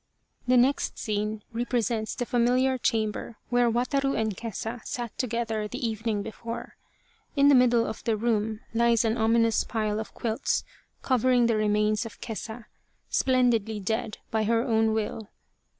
The next scene represents the familiar chamber where Wataru and Kesa sat together the evening before. In the middle of the room lies an ominous pile of quilts covering the remains of Kesa, splendidly dead by her own will.